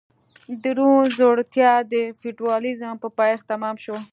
د روم ځوړتیا د فیوډالېزم په پایښت تمام شو.